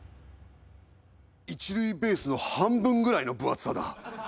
一塁ベースの半分ぐらいの分厚さだ。